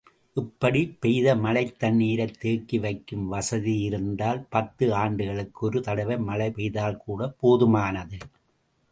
இப்படிப் பெய்த மழைத் தண்ணீரைத் தேக்கி வைக்கும் வசதியிருந்தால் பத்து ஆண்டுகளுக்கு ஒரு தடவை மழை பெய்தால்கூட போதுமானது.